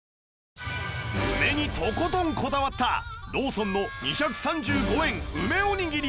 梅にとことんこだわったローソンの２３５円梅おにぎり